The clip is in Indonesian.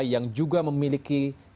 yang juga memiliki